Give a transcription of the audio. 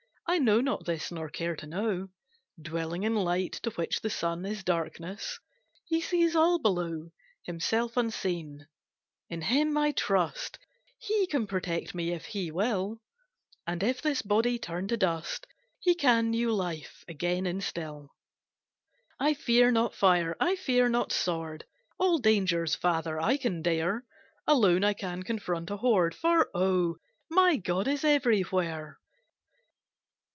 I know not this, nor care to know, Dwelling in light, to which the sun Is darkness, He sees all below, Himself unseen! In Him I trust, He can protect me if He will, And if this body turn to dust, He can new life again instil. "I fear not fire, I fear not sword, All dangers, father, I can dare; Alone, I can confront a horde, For oh! my God is everywhere!"